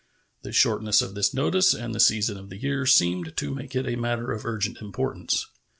The shortness of this notice and the season of the year seemed to make it a matter of urgent importance.